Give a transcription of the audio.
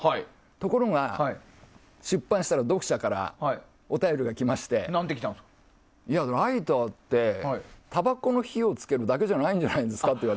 ところが、出版したら読者からお便りが来ましてライターってたばこの火を付けるだけじゃないんじゃないですかと。